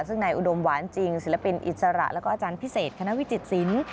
ซึ่งนายอุดมหวานจริงศิลปินอิสระแล้วก็อาจารย์พิเศษคณะวิจิตศิลป์